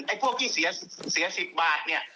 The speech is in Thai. พวกที่เสีย๑๐บาทเนี่ย